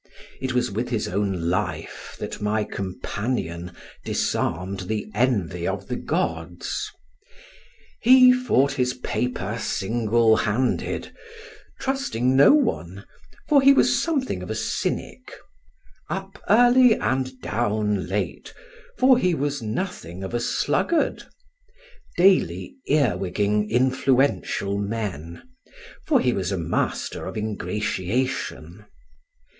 It was with his own life that my companion disarmed the envy of the gods. He fought his paper single handed; trusting no one, for he was something of a cynic; up early and down late, for he was nothing of a sluggard; daily earwigging influential men, for he was a master of ingratiation.